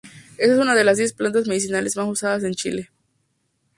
Es una de las diez plantas medicinales más usadas en Chile.